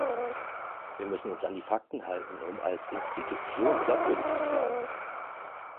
Wir müssen uns an die Fakten halten, um als Institution glaubwürdig zu bleiben.